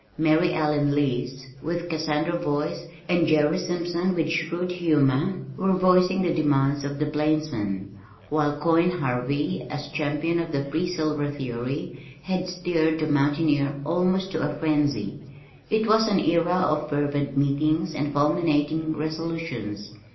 Mary Ellen Lease with Cassandra voice, and Jerry Simpson with shrewd humor were voicing the demands of the plainsman, while "Coin" Harvey as champion of the Free Silver theory had stirred the Mountaineer almost to a frenzy. It was an era of fervent meetings and fulminating resolutions.